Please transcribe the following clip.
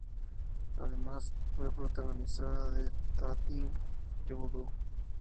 Además, fue protagonista de "That Thing You Do!